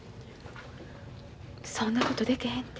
そんなことでけへんて。